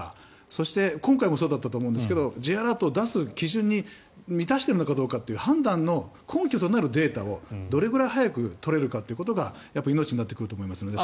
そして、今回もそうだったと思うんですがＪアラートを出す基準に満たしているのかどうかという判断の根拠となるデータをどれぐらい早く取れるかというところがやっぱり命になってくると思いますので。